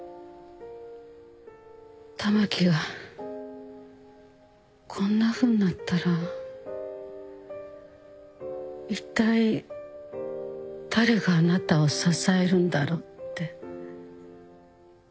たまきがこんなふうになったらいったい誰があなたを支えるんだろって。